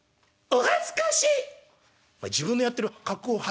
「お恥ずかし」。